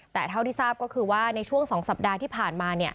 แต่เท่าที่ทราบก็คือว่าในช่วง๒สัปดาห์ที่ผ่านมา